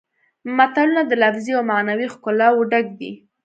متلونه د لفظي او معنوي ښکلاوو ډک دي